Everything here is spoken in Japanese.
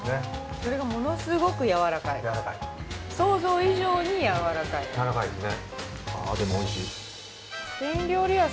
それがものすごくやわらかいやわらかい想像以上にやわらかいやわらかいですね